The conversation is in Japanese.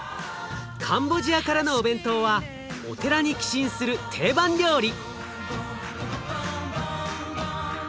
カンボジアからのお弁当はお寺に寄進する定番料理。